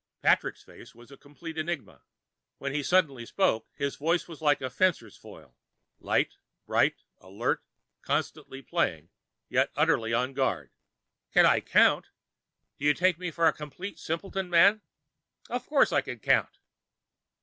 Patrick's face was a complete enigma. Then he suddenly spoke, and his voice was like a fencer's foil light, bright, alert, constantly playing, yet utterly on guard. "Can I count? Do you take me for a complete simpleton, man? Of course I can count!"